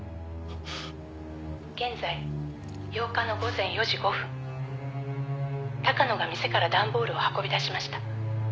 「現在８日の午前４時５分」「高野が店から段ボールを運び出しました」